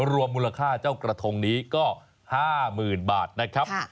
รวมมูลค่าเจ้ากระทงนี้ก็๕๐๐๐บาทนะครับ